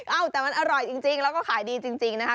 เอ้าแต่มันอร่อยจริงแล้วก็ขายดีจริงนะคะ